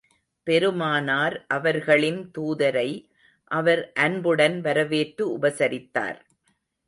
பெருமானார் அவர்களின் தூதரை அவர் அன்புடன் வரவேற்று உபசரித்தார்.